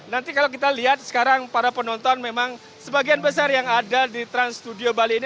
nanti kalau kita lihat sekarang para penonton memang sebagian besar yang ada di trans studio bali ini